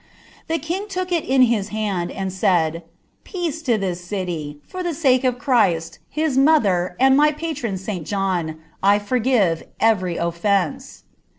The king took it in his band sri said, ^ Peace to (his city ; for tlie sake of Christ, )ijs moiber, Snd vt patron St. John, 1 forgive every ofience."